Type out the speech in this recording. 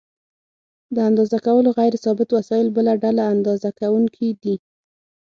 د اندازه کولو غیر ثابت وسایل بله ډله اندازه کوونکي دي.